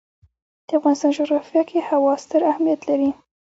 د افغانستان جغرافیه کې هوا ستر اهمیت لري.